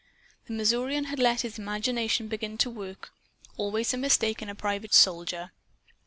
The Missourian had let his imagination begin to work; always a mistake in a private soldier.